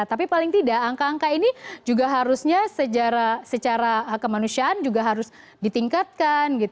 tapi paling tidak angka angka ini juga harusnya secara kemanusiaan juga harus ditingkatkan